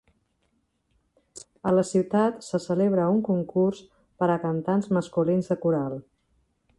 A la ciutat se celebra un concurs per a cantants masculins de coral.